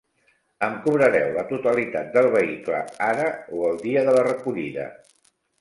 Em cobrareu la totalitat del vehicle ara o el dia de la recollida?